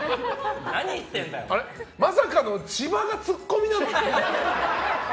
まさかの千葉がツッコミなの？